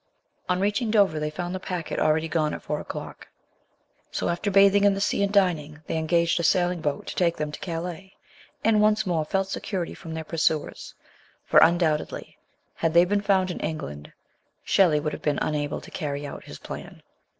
On reaching Dover they found the packet already gone at 4 o'clock, so, after bathing in the sea and dining, they engaged a sailing boat to take them to Calais, and once more felt security from their pursuers ; for, undoubtedly, had they been found in England, Shelley would have been unable to carry out his plan.